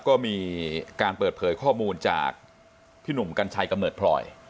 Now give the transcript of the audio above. ก็มีการเปิดเผยข้อมูลจากพี่หนุ่มกัญชัยกำเนิดพลอย